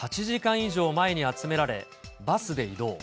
８時間以上前に集められ、バスで移動。